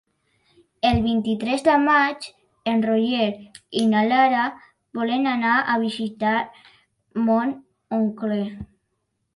El vint-i-tres de maig en Roger i na Lara volen anar a visitar mon oncle.